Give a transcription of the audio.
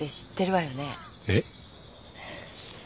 えっ？